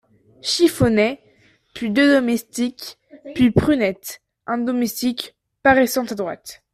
Chiffonnet ; puis deux domestiques ; puis Prunette Un domestique , paraissant à droite.